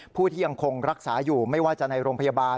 ผู้ที่ยังคงรักษาอยู่ไม่ว่าจะในโรงพยาบาล